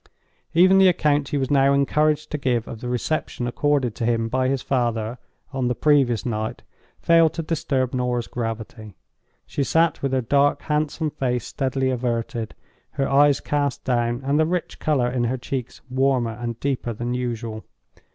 Even the account he was now encouraged to give of the reception accorded to him by his father, on the previous night, failed to disturb Norah's gravity. She sat with her dark, handsome face steadily averted, her eyes cast down, and the rich color in her cheeks warmer and deeper than usual.